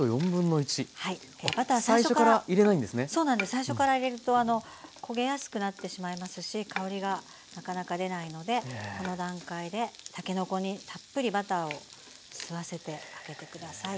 最初から入れると焦げやすくなってしまいますし香りがなかなか出ないのでこの段階でたけのこにたっぷりバターを吸わせてあげてください。